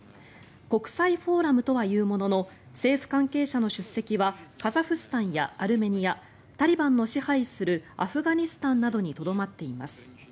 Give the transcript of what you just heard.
国際フォーラムとはいうものの政府関係者の出席はカザフスタンやアルメニアタリバンの支配するアフガニスタンなどにとどまっています。